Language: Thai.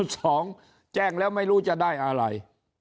สองแจ้งแล้วไม่รู้จะได้อะไร